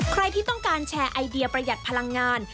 ใครที่ต้องการแชร์ไอเดียประหยัดพลังงาน